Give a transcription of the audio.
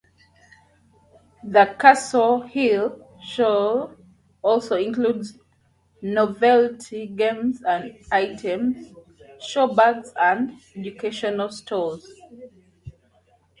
The Castle Hill show also includes novelty games and items, showbags and educational stalls.